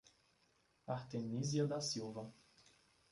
Artenizia da Silva